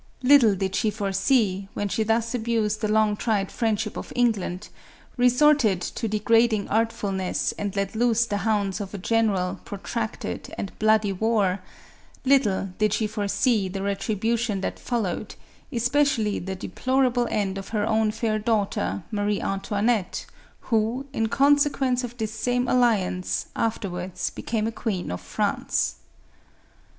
Little did she foresee, when she thus abused the long tried friendship of England, resorted to de grading artfulness and let loose the hounds of a gen eral, protracted and bloody war, — little did she foresee the retribution that followed, especially the deplorable end of her own fair daughter, Marie Antoinette, who, in consequence of this same alliance, afterwards be came a queen of France.